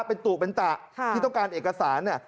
เป็นตู่เป็นตะที่ต้องการเอกสาร